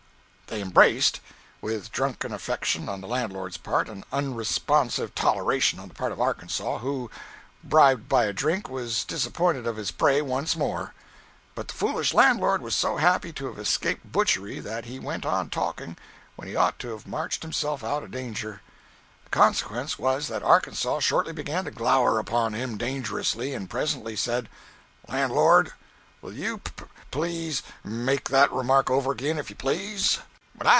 They embraced, with drunken affection on the landlord's part and unresponsive toleration on the part of Arkansas, who, bribed by a drink, was disappointed of his prey once more. But the foolish landlord was so happy to have escaped butchery, that he went on talking when he ought to have marched himself out of danger. The consequence was that Arkansas shortly began to glower upon him dangerously, and presently said: "Lan'lord, will you p please make that remark over agin if you please?"